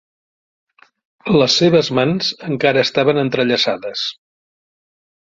Les seves mans encara estaven entrellaçades.